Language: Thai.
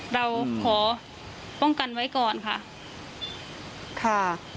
เราขอป้องกันไว้ก่อนค่ะค่ะ